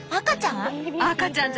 赤ちゃん？